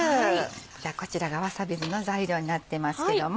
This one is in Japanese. じゃあこちらがわさび酢の材料になってますけども。